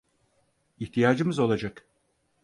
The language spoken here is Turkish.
İhtiyacımız olacak.